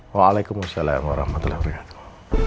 waalaikumsalam warahmatullahi wabarakatuh